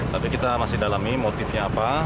tapi kita masih dalami motifnya apa